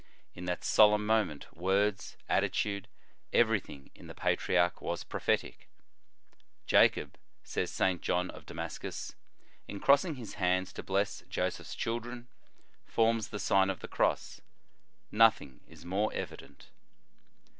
In that solemn moment, words, attitude, everything in the patriarch was prophetic. "Jacob," says St. John of Damascus, "in In the Nineteenth Century. 95 crossing his hands to bless Joseph s children, forms the Sign of the Cross ; nothing is more evident."